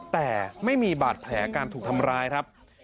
แต่ไม่มีบาดแผลการถูกทำร้ายครับ